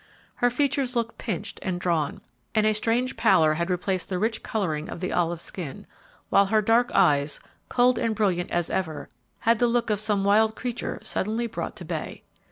Her features looked pinched and drawn, and a strange pallor had replaced the rich coloring of the olive skin, while her dark eyes, cold and brilliant as ever, had the look of some wild creature suddenly brought to bay.